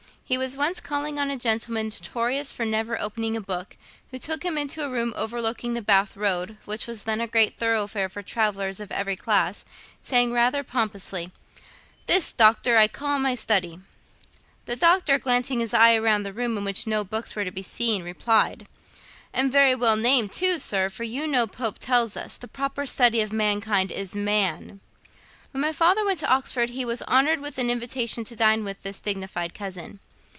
He was once calling on a gentleman notorious for never opening a book, who took him into a room overlooking the Bath Road, which was then a great thoroughfare for travellers of every class, saying rather pompously, 'This, Doctor, I call my study.' The Doctor, glancing his eye round the room, in which no books were to be seen, replied, 'And very well named too, sir, for you know Pope tells us, "The proper study of mankind is Man."' When my father went to Oxford he was honoured with an invitation to dine with this dignified cousin.